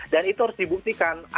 dan itu harus dibuktikan